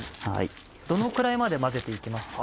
どのくらいまで混ぜて行きますか？